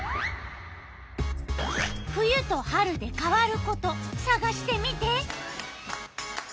冬と春で変わることさがしてみて！